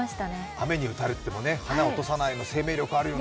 雨に打たれても花を落とさないの生命力あるよね。